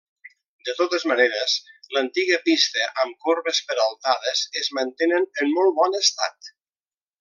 De totes maneres, l'antiga pista, amb corbes peraltades es mantenen en molt bon estat.